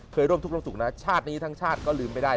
ร่วมทุกข์ร่วมสุขนะชาตินี้ทั้งชาติก็ลืมไม่ได้